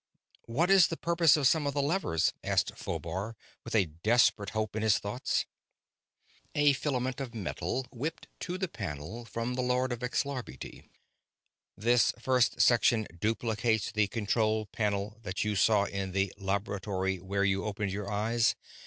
"What is the purpose of some of the levers?" asked Phobar, with a desperate hope in his thoughts. A filament of metal whipped to the panel from the lord of Xlarbti. "This first section duplicates the control panel that you saw in the laboratory where you opened your eyes.